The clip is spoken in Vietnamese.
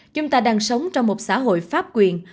chúng ta đang sống trong một xã hội pháp quyền